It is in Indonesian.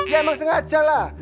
ya emang sengaja lah